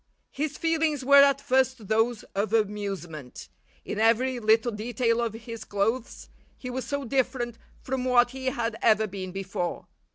His feelings were at first those of amusement. In every little detail of his clothes he was so different from what he had ever been before.